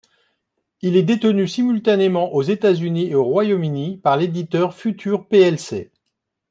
Il est détenu simultanément aux États-Unis et au Royaume-Uni par l'éditeur Future plc.